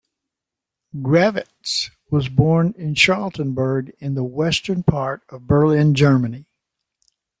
Grawitz was born in Charlottenburg, in the western part of Berlin, Germany.